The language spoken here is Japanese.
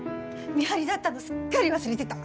見張りだったのすっかり忘れてた。